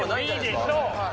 いいでしょう。